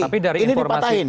tapi dari informasi ini